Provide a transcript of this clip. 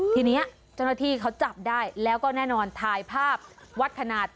ทีนี้เจ้าหน้าที่เขาจับได้แล้วก็แน่นอนถ่ายภาพวัดขนาด